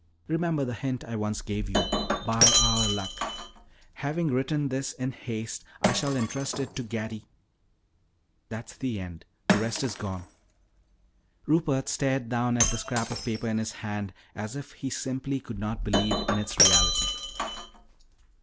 Remember the hint I once gave you By Our Luck. Having written this in haste, I shall intrust it to Gatty " "That's the end; the rest is gone." Rupert stared down at the scrap of paper in his hand as if he simply could not believe in its reality.